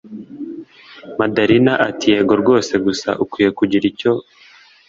Madalina atiyego rwose gusa ukwiye kugira icyo